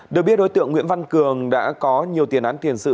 được biết đối tượng nguyễn văn cường đã có nhiều tiền án tiền sự